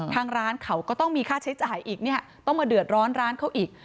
ทางร้านเขาก็ต้องมีค่าใช้จ่ายอีกเนี่ยต้องมาเดือดร้อนร้านเขาอีก